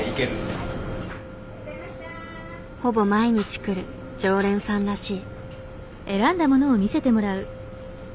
ほぼ毎日来る常連さんらしい。